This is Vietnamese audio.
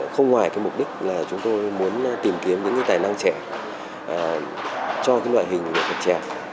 không ngoài cái mục đích là chúng tôi muốn tìm kiếm những tài năng trẻ cho loại hình nghệ thuật trẻ